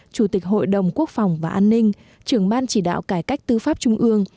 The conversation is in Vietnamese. chủ tịch hội đồng quốc phòng và an ninh trưởng ban chỉ đạo cải cách tư pháp trung ương